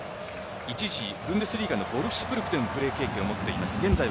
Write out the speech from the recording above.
ブンデスリーガのヴォルフスブルクでのプレー経験も持っています。